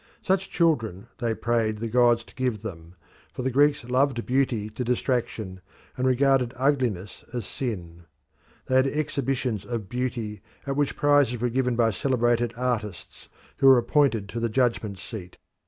Such children they prayed the gods to give them, for the Greeks loved beauty to distraction, and regarded ugliness as sin. They had exhibitions of beauty at which prizes were given by celebrated artists who were appointed to the judgment seat.